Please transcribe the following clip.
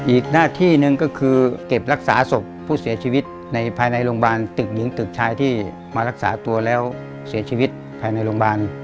อีกหน้าที่หนึ่งก็คือเก็บรักษาศพผู้เสียชีวิตในภายในโรงพยาบาลตึกหญิงตึกชายที่มารักษาตัวแล้วเสียชีวิตภายในโรงพยาบาล